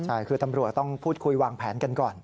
ใช่คือตำรวจต้องพูดคุยวางแผนกันก่อน